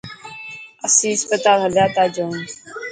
اسين هسپتال هيا تا جوڻ.